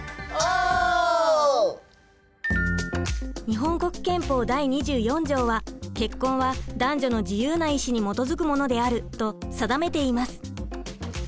日本国憲法第２４条は結婚は男女の自由な意思に基づくものであると定めています。